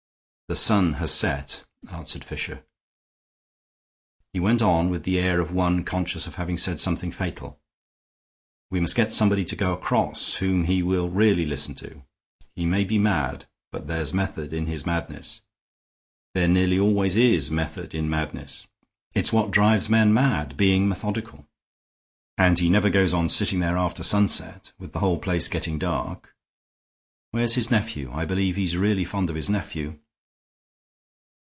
"The sun has set," answered Fisher. He went on with the air of one conscious of having said something fatal. "We must get somebody to go across whom he will really listen to. He may be mad, but there's method in his madness. There nearly always is method in madness. It's what drives men mad, being methodical. And he never goes on sitting there after sunset, with the whole place getting dark. Where's his nephew? I believe he's really fond of his nephew."